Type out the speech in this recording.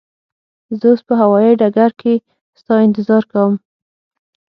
زه اوس به هوایی ډګر کی ستا انتظار کوم.